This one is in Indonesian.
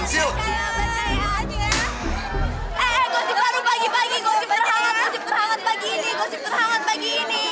eh eh gosip baru pagi pagi gosip terhangat pagi ini gosip terhangat pagi ini